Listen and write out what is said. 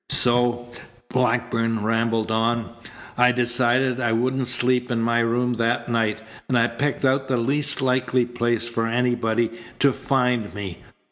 "So," Blackburn rambled on, "I decided I wouldn't sleep in my room that night, and I picked out the least likely place for anybody to find me.